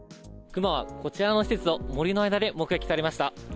熊はこちらの施設と森の間で目撃されました。